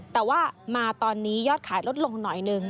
แต่ว่ามาตอนนี้ยอดขายลดลงหน่อยหนึ่ง